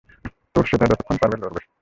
তো, সেটা যতক্ষণ পারবে লড়বে।